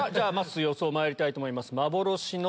ー予想まいりたいと思います。